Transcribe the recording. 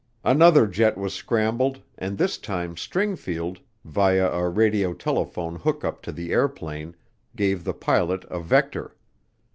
Another jet was scrambled and this time Stringfield, via a radiotelephone hookup to the airplane, gave the pilot a vector.